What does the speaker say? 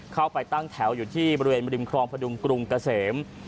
เข้าไปตั้งแถวอยู่ที่บริเวณบริมครองพดุงกรุงเกษม